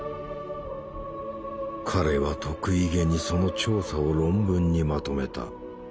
彼は得意げにその調査を論文にまとめた。